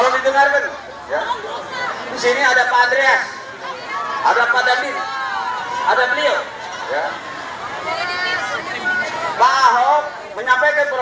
di sini ada padre ada pada ini ada beliau